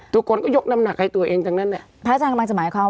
ทุกคนก็ยกน้ำหนักให้ตัวเองจากนั้น